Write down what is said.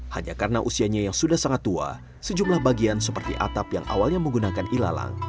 hanya karena usianya yang sudah sangat tua sejumlah bagian seperti atap yang awalnya menggunakan ilalang